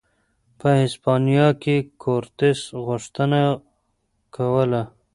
په هسپانیا کې کورتس غوښتنه کوله.